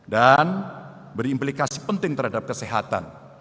dan berimplikasi penting terhadap kesehatan